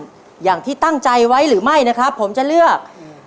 โบนัสกลับไปบ้านอย่างที่ตั้งใจไว้หรือไม่นะครับผมจะเลือก